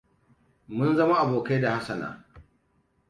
Mun zama abokai da Hassana.